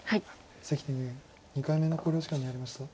関天元２回目の考慮時間に入りました。